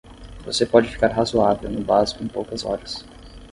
Você pode ficar razoável no básico em poucas horas.